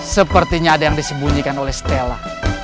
sepertinya ada yang disembunyikan oleh stella